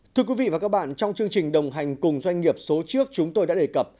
thưa quý vị và các bạn trong chương trình đồng hành cùng doanh nghiệp số trước chúng tôi đã đề cập